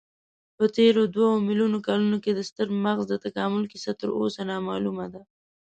تېرو دوو میلیونو کلونو کې د ستر مغز د تکامل کیسه تراوسه نامعلومه ده.